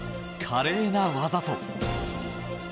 華麗な技と。